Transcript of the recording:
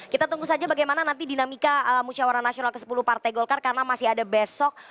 kita tunggu saja bagaimana nanti dinamika musyawara nasional ke sepuluh partai golkar karena masih ada besok